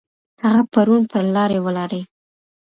هغه پرون پر لارې ولاړی.